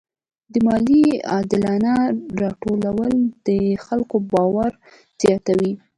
د مالیې عادلانه راټولول د خلکو باور زیاتوي.